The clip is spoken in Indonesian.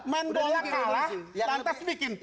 main bola kalah lantas bikin tpf